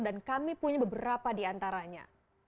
dan kami punya beberapa diantaranya